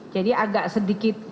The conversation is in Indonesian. jadi agak sedikit